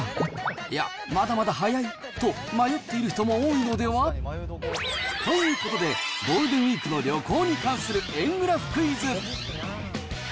いや、まだまだ早い？と迷っている人も多いのでは。ということで、ゴールデンウィークの旅行に関する円グラフクイズ。